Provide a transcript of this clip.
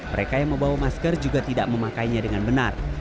mereka yang membawa masker juga tidak memakainya dengan benar